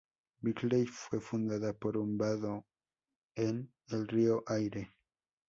Bingley fue fundada por un vado en el río Aire.